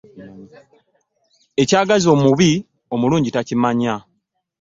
Ekyagaza omubi omulunji takimanya .